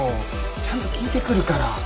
ちゃんと聞いてくるから。